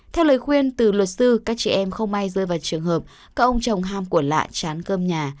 theo lời khuyên từ luật sư các chị em không may rơi vào trường hợp các ông chồng ham của lạ chán cơm nhà